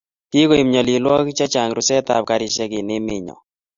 kigoib nyalilwogik chechang rusetab karishek eng emenyo